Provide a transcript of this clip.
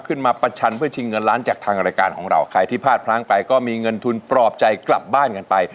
ประชันเพื่อชิงเงินล้านจากทางรายการของเราใครที่พลาดพลั้งไปก็มีเงินทุนปลอบใจกลับบ้านกันไป